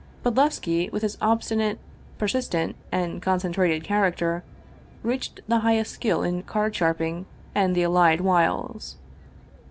Bodlevski, with his obstinate, persistent, and con centrated character, reached the highest skill in card sharp ing and the allied wiles.